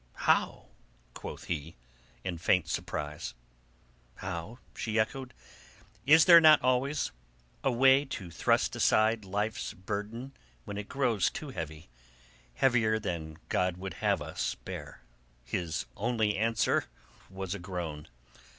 "How?" quoth he, in faint surprise. "How?" she echoed. "Is there not always a way to thrust aside life's burden when it grows too heavy—heavier than God would have us bear?" His only answer was a groan.